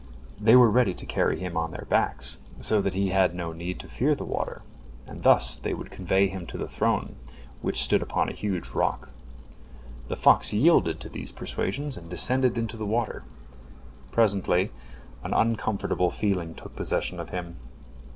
They were ready to carry him on their backs, so that he had no need to fear the water, and thus they would convey him to the throne, which stood upon a huge rock. The fox yielded to these persuasions, and descended into the water. Presently an uncomfortable feeling took possession of him.